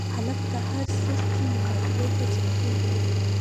هلک د هر سختي مقابلې ته چمتو وي.